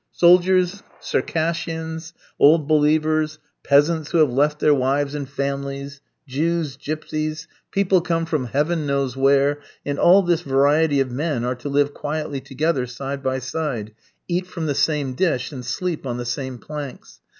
Soldiers, Circassians, old believers, peasants who have left their wives and families, Jews, Gypsies, people come from Heaven knows where, and all this variety of men are to live quietly together side by side, eat from the same dish, and sleep on the same planks.